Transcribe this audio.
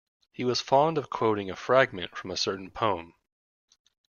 He was fond of quoting a fragment from a certain poem.